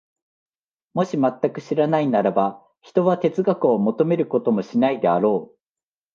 もし全く知らないならば、ひとは哲学を求めることもしないであろう。